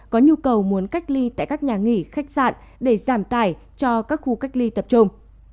có nhu cầu muốn cách ly tại các nhà nghỉ khách sạn để giảm tải cho các khu cách ly tập trung